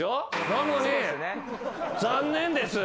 なのに残念です。